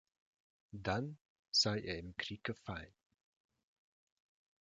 Dann sei er im Krieg gefallen.